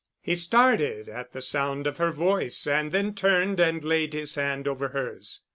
He started at the sound of her voice and then turned and laid his hand over hers.